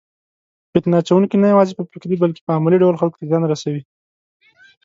فتنه اچونکي نه یوازې په فکري بلکې په عملي ډول خلکو ته زیان رسوي.